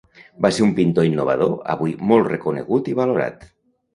Va ser un pintor innovador avui molt reconegut i valorat.